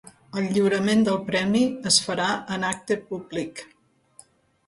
El lliurament del Premi es farà en acte públic.